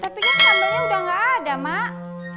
tapi kan sambalnya udah gak ada mak